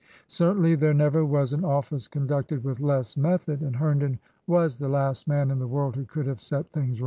Certainly there never was an office conducted with less method, and Herndon was the last man in the world who could have set things right.